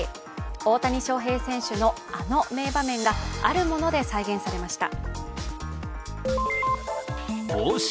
大谷翔平選手のあの名場面があるもので再現されました。